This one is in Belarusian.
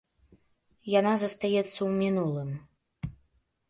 Яна застаецца ў мінулым.